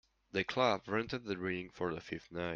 The club rented the rink for the fifth night.